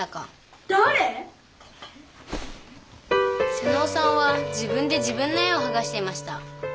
妹尾さんは自分で自分の絵をはがしていました。